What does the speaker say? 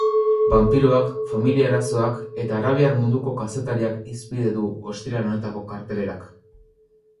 Banpiroak, familia arazoak eta arabiar munduko kazetariak hizpide du ostiral honetako kartelerak.